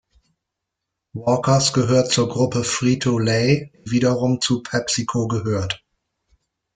Walkers gehört zur Gruppe Frito-Lay, die wiederum zu Pepsico gehört.